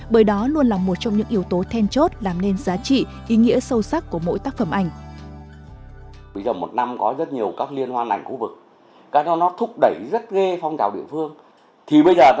bởi đó luôn là một trong những yếu tố then chốt làm nên giá trị ý nghĩa sâu sắc của mỗi tác phẩm ảnh